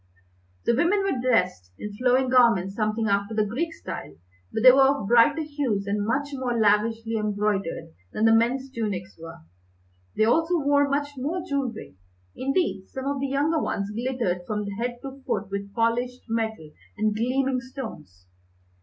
The women were dressed in flowing garments something after the Greek style, but they were of brighter hues and much more lavishly embroidered than the men's tunics were. They also wore much more jewellery. Indeed, some of the younger ones glittered from head to foot with polished metal and gleaming stones.